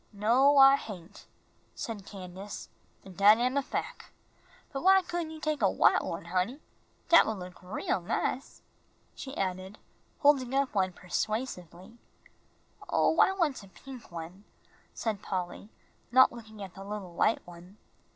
"No, I hain'," said Candace, "an' dat am a fac'. But why couldn' you take a white one, honey? Dat would look real nice," she added, holding one up persuasively. "Oh, I want a pink one," said Polly, not looking at the little white one.